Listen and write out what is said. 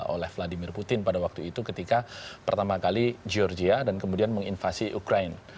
oleh vladimir putin pada waktu itu ketika pertama kali georgia dan kemudian menginvasi ukraine